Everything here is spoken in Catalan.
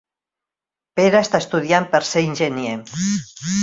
Pere està estudiant per ser enginyer.